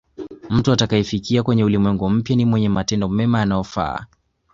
mtu atakayefika kwenye ulimwengu mpya ni mwenye matendo mema yanayofaa